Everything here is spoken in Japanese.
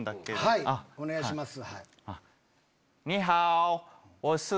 はいお願いします。